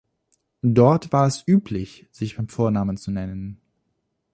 Dort war es üblich, sich beim Vornamen zu nennen.